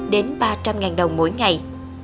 đến ba trăm linh ngàn đồng mỗi ngày